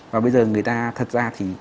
và bây giờ người ta thật ra thì